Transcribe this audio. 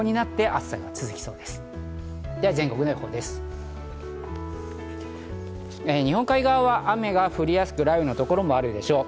日本海側は雨が降りやすく雷雨の所もあるでしょう。